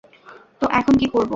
তো এখন কি করবো?